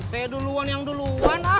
saya duluan yang duluan